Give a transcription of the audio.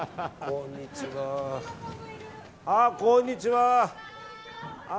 ああ、こんにちは！